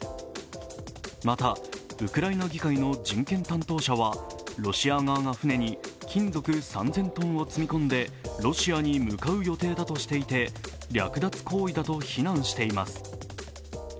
またウクライナ議会の人権担当者はロシア側が船に金属３０００ｔを積み込んでロシアに向かう予定だとしていて略奪行為だと非難しています。